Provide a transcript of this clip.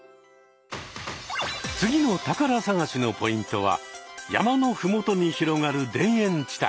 次の宝探しのポイントは山のふもとに広がる田園地帯。